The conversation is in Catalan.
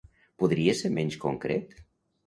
Podries ser menys concret?